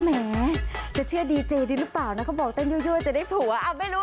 แม้จะเชื่อดีเจดีหรือเปล่าแล้วก็บอกเต้นจะได้ผัวอ่ะไม่รู้